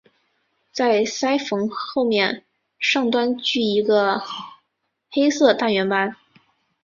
在鳃缝后面上端据一个黑色大圆斑。